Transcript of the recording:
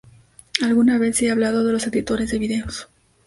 alguna vez he hablado de los editores de videos